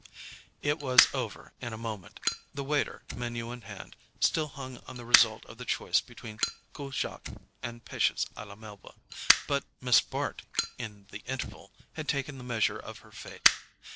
It was over in a moment—the waiter, MENU in hand, still hung on the result of the choice between COUPE JACQUES and PECHES A LA MELBA—but Miss Bart, in the interval, had taken the measure of her fate.